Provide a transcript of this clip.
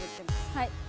はい。